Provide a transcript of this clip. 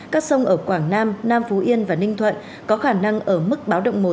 các sông ở quảng nam nam phú yên và ninh thuận có khả năng ở mức báo động một